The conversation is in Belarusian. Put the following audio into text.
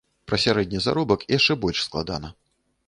Пра сярэдні заробак яшчэ больш складана.